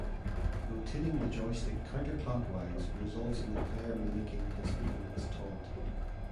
Rotating the joystick counter clock wise results in the player mimicking his opponent's taunt.